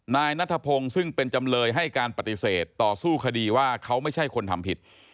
นายนัทพงศ์ซึ่งเป็นจำเลยให้การปฏิเสธต่อสู้คดีว่าเขาไม่ใช่คนทำผิด